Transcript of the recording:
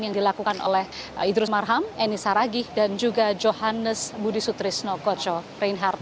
yang dilakukan oleh idrus marham eni saragih dan juga johannes budi sutrisno koco reinhardt